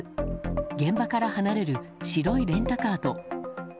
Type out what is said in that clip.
現場から離れる白いレンタカーと。